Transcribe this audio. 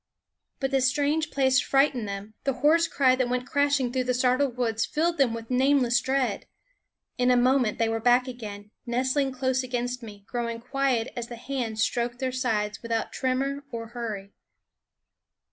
But the strange place frightened them; the hoarse cry that went crashing through the startled woods filled them with nameless dread. In a moment they were back again, nestling close against me, growing quiet as the hands stroked their sides without tremor or hurry.